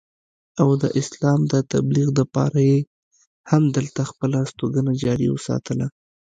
او د اسلام د تبليغ دپاره ئې هم دلته خپله استوګنه جاري اوساتله